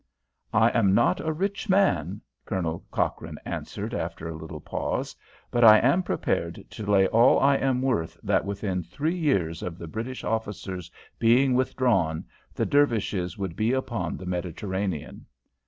"I am not a rich man," Colonel Cochrane answered, after a little pause, "but I am prepared to lay all I am worth that within three years of the British officers being withdrawn, the Dervishes would be upon the Mediterranean.